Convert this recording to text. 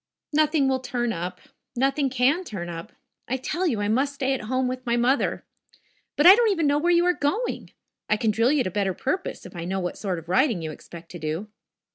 "Nothing will turn up. Nothing can turn up. I tell you, I must stay at home with my mother. But I don't even know where you are going. I can drill you to better purpose if I know what sort of riding you expect to do."